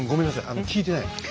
あの聞いてないの。